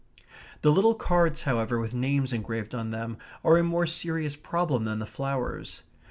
The little cards, however, with names engraved on them, are a more serious problem than the flowers.